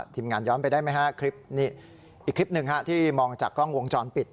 ทีมงานย้อนไปได้ไหมฮะคลิปนี้อีกคลิปหนึ่งที่มองจากกล้องวงจรปิด